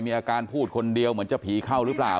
มีอาการพูดคนเดียวเหมือนจะผีเข้าหรือเปล่า